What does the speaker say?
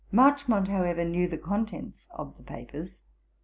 Marchmont, however, knew the contents of the papers.